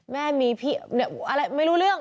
แม่มีอะไรไม่รู้เรื่อง